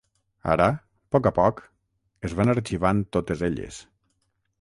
Ara, poc a poc, es van arxivant totes elles.